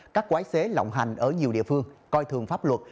các quái xế lộng hành ở nhiều địa phương coi thường pháp luật